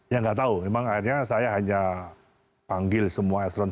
ya nggak tahu memang akhirnya saya hanya panggil semua eselon satu